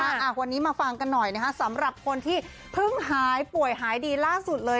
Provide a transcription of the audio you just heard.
อ่าวันนี้มาฟังกันหน่อยนะฮะสำหรับคนที่เพิ่งหายป่วยหายดีล่าสุดเลย